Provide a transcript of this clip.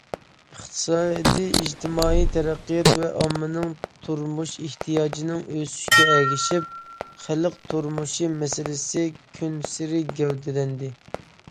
ئىقتىسادىي، ئىجتىمائىي تەرەققىيات ۋە ئاممىنىڭ تۇرمۇش ئېھتىياجىنىڭ ئۆسۈشىگە ئەگىشىپ، خەلق تۇرمۇشى مەسىلىسى كۈنسېرى گەۋدىلەندى.